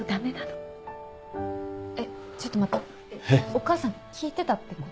お母さん聞いてたってこと？